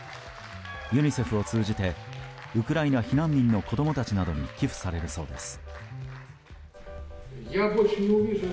ユニセフを通じてウクライナ避難民の子供たちなどに寄付されるそうです。